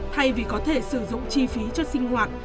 thay vì có thể sử dụng chi phí cho sinh hoạt